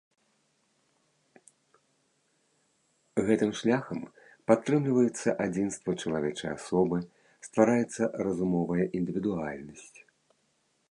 Гэтым шляхам падтрымліваецца адзінства чалавечай асобы, ствараецца разумовая індывідуальнасць.